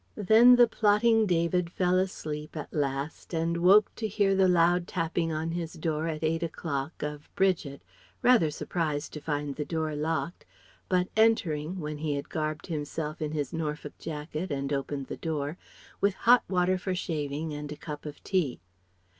Then the plotting David fell asleep at last and woke to hear the loud tapping on his door at eight o'clock, of Bridget, rather surprised to find the door locked, but entering (when he had garbed himself in his Norfolk jacket and opened the door), with hot water for shaving and a cup of tea.